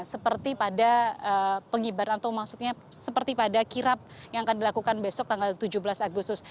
seperti pada pengibaran atau maksudnya seperti pada kirap yang akan dilakukan besok tanggal tujuh belas agustus